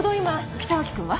北脇君は？